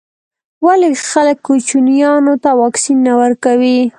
ولي خلګ کوچنیانو ته واکسین نه ورکوي.